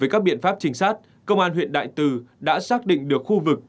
với các biện pháp trình sát công an huyện đại từ đã xác định được khu vực